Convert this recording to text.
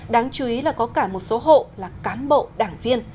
đáng chú ý là có cả một số hộ là cán bộ đảng viên